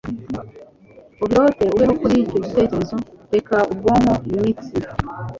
ubirote, ubeho kuri icyo gitekerezo. Reka ubwonko, imitsi,